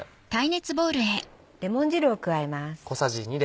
レモン汁を加えます。